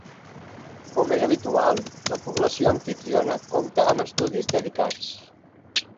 Com és habitual, la població amfitriona compta amb estudis dedicats.